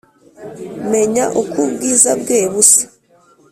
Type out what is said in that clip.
menya uk’ ubwiza bwe busa